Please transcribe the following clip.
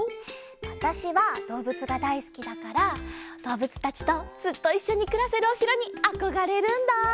わたしはどうぶつがだいすきだからどうぶつたちとずっといっしょにくらせるおしろにあこがれるんだ！